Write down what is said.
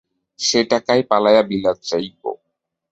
সেই টাকায় পালাইয়া বিলাত যাইব।